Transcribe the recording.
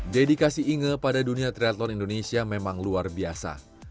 dedikasi inge pada dunia triathlon indonesia memang luar biasa